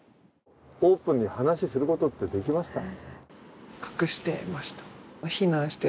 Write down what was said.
オープンに話をすることってできました？